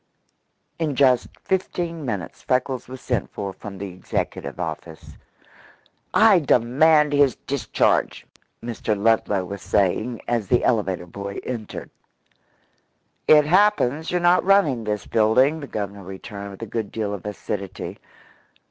In just fifteen minutes Freckles was sent for from the executive office. "I demand his discharge!" Mr. Ludlow was saying as the elevator boy entered. "It happens you're not running this building," the Governor returned with a good deal of acidity.